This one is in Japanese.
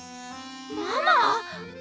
ママ！？